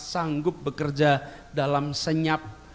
sanggup bekerja dalam senyap